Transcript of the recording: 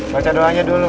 baca doanya dulu